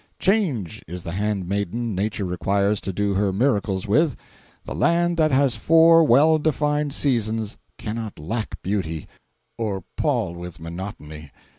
Change is the handmaiden Nature requires to do her miracles with. The land that has four well defined seasons, cannot lack beauty, or pall with monotony.